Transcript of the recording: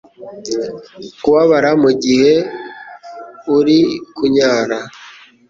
Kubabara mu gihe uri kunyara